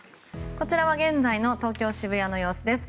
こちらは現在の東京・渋谷の様子です。